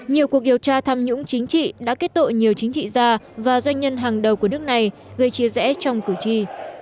nhiều cuộc điều tra tham nhũng chính trị đã kết tội nhiều chính trị gia và doanh nhân hàng đầu của nước này gây chia rẽ trong cử tri